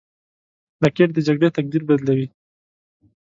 راکټ د جګړې تقدیر بدلوي